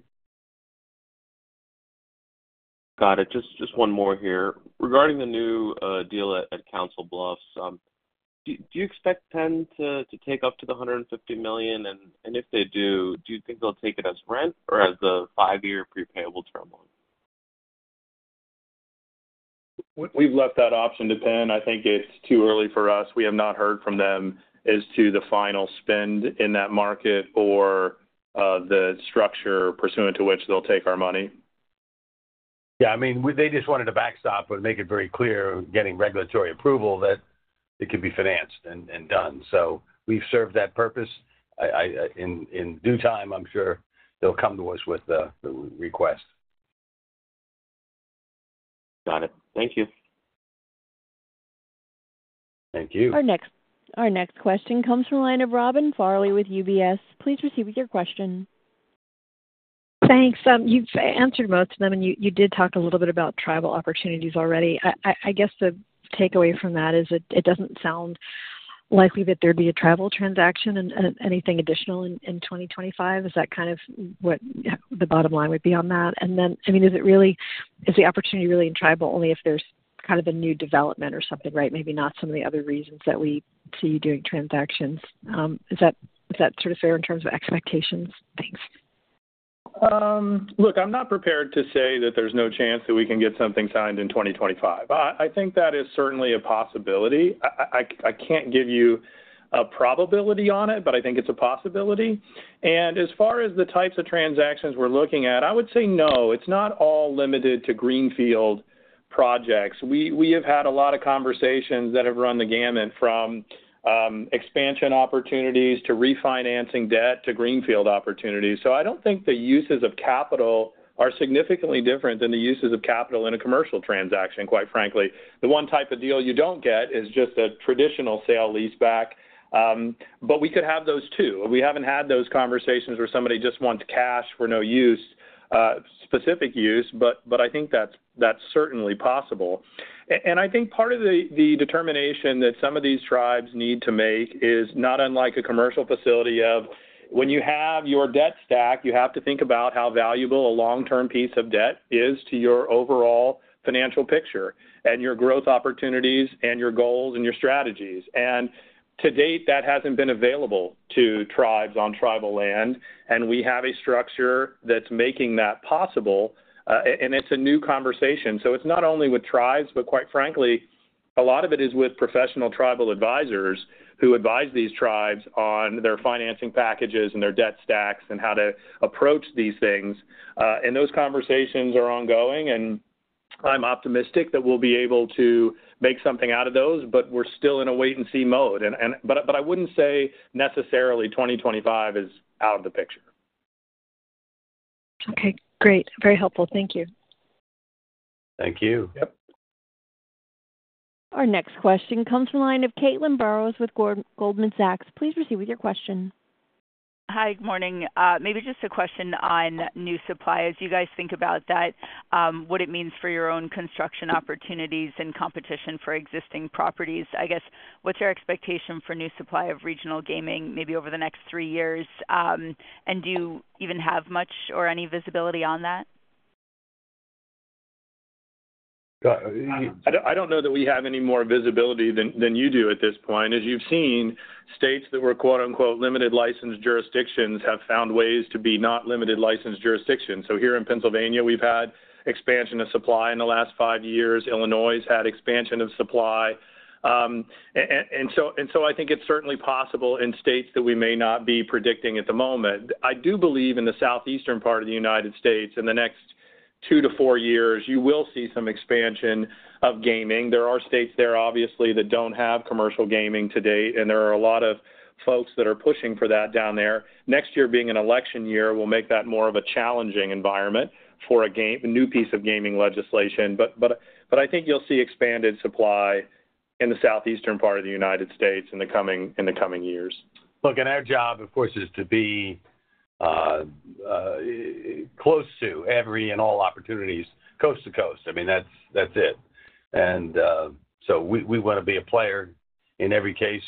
Got it. Just one more here. Regarding the new deal at Council Bluffs, do you expect them to take up to the $150 million? And if they do, do you think they'll take it as rent or as a five-year prepayable term loan? We've left that option to PENN. I think it's too early for us. We have not heard from them as to the final spend in that market or the structure pursuant to which they'll take our money. Yeah. I mean, they just wanted to backstop and make it very clear getting regulatory approval that it could be financed and done. We have served that purpose. In due time, I'm sure they'll come to us with the request. Got it. Thank you. Thank you. Our next question comes from a line of Robin Farley with UBS. Please proceed with your question. Thanks. You've answered most of them, and you did talk a little bit about tribal opportunities already. I guess the takeaway from that is it doesn't sound likely that there'd be a tribal transaction and anything additional in 2025. Is that kind of what the bottom line would be on that? I mean, is the opportunity really in tribal only if there's kind of a new development or something, right? Maybe not some of the other reasons that we see you doing transactions. Is that sort of fair in terms of expectations? Thanks. Look, I'm not prepared to say that there's no chance that we can get something signed in 2025. I think that is certainly a possibility. I can't give you a probability on it, but I think it's a possibility. As far as the types of transactions we're looking at, I would say no. It's not all limited to greenfield projects. We have had a lot of conversations that have run the gamut from expansion opportunities to refinancing debt to greenfield opportunities. I don't think the uses of capital are significantly different than the uses of capital in a commercial transaction, quite frankly. The one type of deal you don't get is just a traditional sale-leaseback. We could have those too. We haven't had those conversations where somebody just wants cash for no specific use, but I think that's certainly possible. I think part of the determination that some of these tribes need to make is not unlike a commercial facility of when you have your debt stack, you have to think about how valuable a long-term piece of debt is to your overall financial picture and your growth opportunities and your goals and your strategies. To date, that has not been available to tribes on tribal land. We have a structure that is making that possible. It is a new conversation. It is not only with tribes, but quite frankly, a lot of it is with professional tribal advisors who advise these tribes on their financing packages and their debt stacks and how to approach these things. Those conversations are ongoing, and I am optimistic that we will be able to make something out of those, but we are still in a wait-and-see mode. I would not say necessarily 2025 is out of the picture. Okay. Great. Very helpful. Thank you. Thank you. Yep. Our next question comes from a line of Caitlin Burrows with Goldman Sachs. Please proceed with your question. Hi. Good morning. Maybe just a question on new supply. As you guys think about that, what it means for your own construction opportunities and competition for existing properties. I guess, what's your expectation for new supply of regional gaming maybe over the next three years? And do you even have much or any visibility on that? I don't know that we have any more visibility than you do at this point. As you've seen, states that were quote-unquote limited licensed jurisdictions have found ways to be not limited licensed jurisdictions. Here in Pennsylvania, we've had expansion of supply in the last five years. Illinois has had expansion of supply. I think it's certainly possible in states that we may not be predicting at the moment. I do believe in the southeastern part of the United States, in the next two to four years, you will see some expansion of gaming. There are states there, obviously, that don't have commercial gaming to date, and there are a lot of folks that are pushing for that down there. Next year being an election year will make that more of a challenging environment for a new piece of gaming legislation. I think you'll see expanded supply in the southeastern part of the United States in the coming years. Look, and our job, of course, is to be close to every and all opportunities, coast to coast. I mean, that's it. We want to be a player in every case,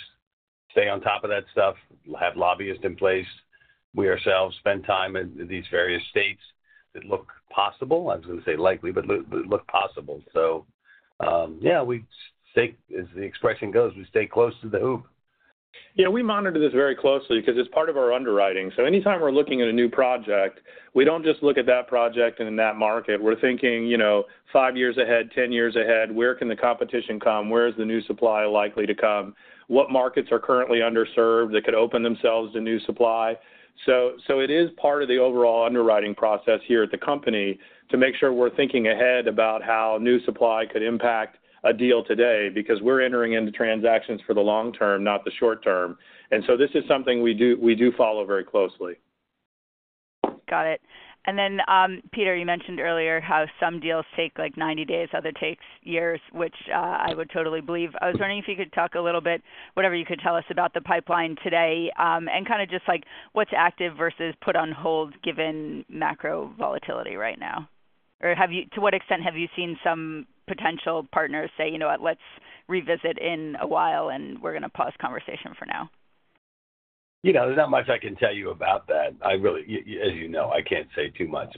stay on top of that stuff, have lobbyists in place. We ourselves spend time in these various states that look possible. I was going to say likely, but look possible. Yeah, as the expression goes, we stay close to the hoop. Yeah. We monitor this very closely because it's part of our underwriting. Anytime we're looking at a new project, we don't just look at that project and in that market. We're thinking five years ahead, ten years ahead, where can the competition come? Where is the new supply likely to come? What markets are currently underserved that could open themselves to new supply? It is part of the overall underwriting process here at the company to make sure we're thinking ahead about how new supply could impact a deal today because we're entering into transactions for the long term, not the short term. This is something we do follow very closely. Got it. Peter, you mentioned earlier how some deals take like 90 days, others take years, which I would totally believe. I was wondering if you could talk a little bit, whatever you could tell us about the pipeline today, and kind of just like what's active versus put on hold given macro volatility right now. To what extent have you seen some potential partners say, "You know what? Let's revisit in a while, and we're going to pause conversation for now"? There's not much I can tell you about that. As you know, I can't say too much.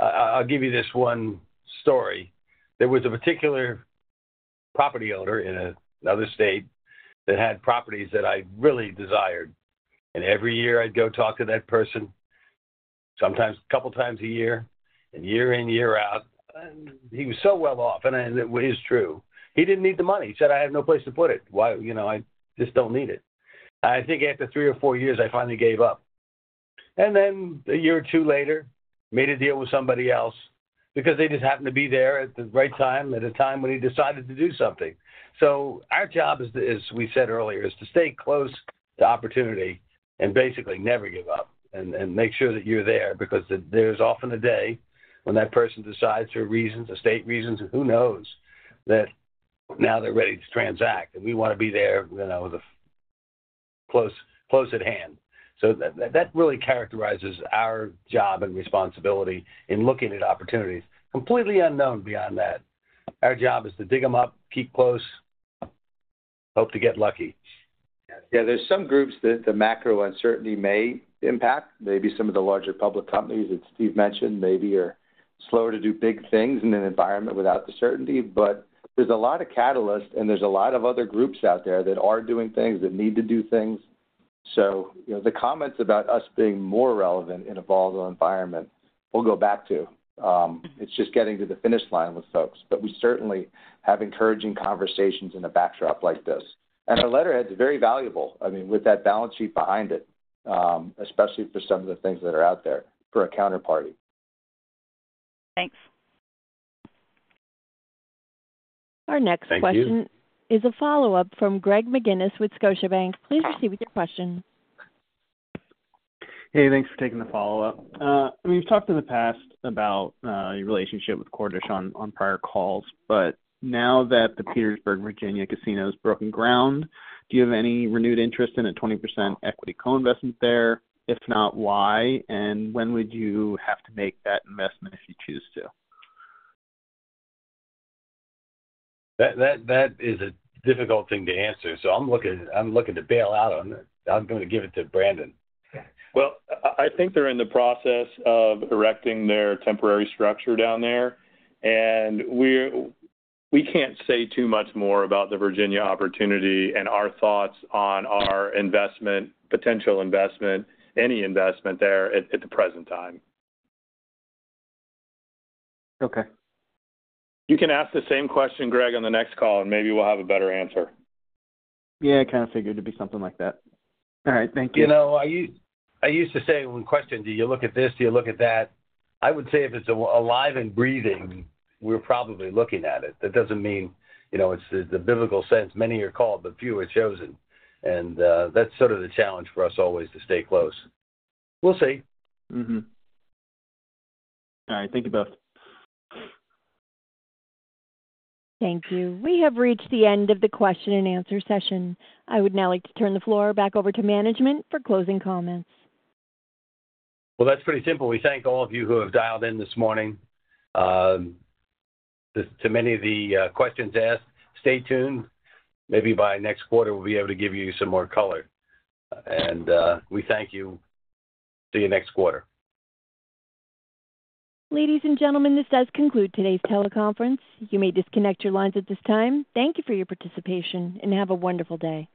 I'll give you this one story. There was a particular property owner in another state that had properties that I really desired. Every year I'd go talk to that person, sometimes a couple of times a year, and year in, year out. He was so well off, and it was true. He didn't need the money. He said, "I have no place to put it. I just don't need it." I think after three or four years, I finally gave up. A year or two later, made a deal with somebody else because they just happened to be there at the right time, at a time when he decided to do something. Our job, as we said earlier, is to stay close to opportunity and basically never give up and make sure that you're there because there's often a day when that person decides for reasons, estate reasons, and who knows that now they're ready to transact, and we want to be there close at hand. That really characterizes our job and responsibility in looking at opportunities. Completely unknown beyond that. Our job is to dig them up, keep close, hope to get lucky. Yeah. There are some groups that the macro uncertainty may impact. Maybe some of the larger public companies that Steve mentioned maybe are slow to do big things in an environment without the certainty. There are a lot of catalysts, and there are a lot of other groups out there that are doing things that need to do things. The comments about us being more relevant in a volatile environment, we will go back to. It is just getting to the finish line with folks. We certainly have encouraging conversations in a backdrop like this. Our letterhead is very valuable, I mean, with that balance sheet behind it, especially for some of the things that are out there for a counterparty. Thanks. Our next question is a follow-up from Greg McGinniss with Scotiabank. Please proceed with your question. Hey, thanks for taking the follow-up. I mean, we've talked in the past about your relationship with Cordish on prior calls. Now that the Petersburg, Virginia casino has broken ground, do you have any renewed interest in a 20% equity co-investment there? If not, why? When would you have to make that investment if you choose to? That is a difficult thing to answer. I'm looking to bail out on it. I'm going to give it to Brandon. I think they're in the process of erecting their temporary structure down there. We can't say too much more about the Virginia opportunity and our thoughts on our investment, potential investment, any investment there at the present time. Okay. You can ask the same question, Greg, on the next call, and maybe we'll have a better answer. Yeah. I kind of figured it'd be something like that. All right. Thank you. I used to say when questioned, "Do you look at this? Do you look at that?" I would say if it's alive and breathing, we're probably looking at it. That doesn't mean it's the biblical sense, "Many are called, but few are chosen." That is sort of the challenge for us always to stay close. We'll see. All right. Thank you both. Thank you. We have reached the end of the question-and-answer session. I would now like to turn the floor back over to management for closing comments. That's pretty simple. We thank all of you who have dialed in this morning to many of the questions asked. Stay tuned. Maybe by next quarter, we'll be able to give you some more color. We thank you. See you next quarter. Ladies and gentlemen, this does conclude today's teleconference. You may disconnect your lines at this time. Thank you for your participation, and have a wonderful day.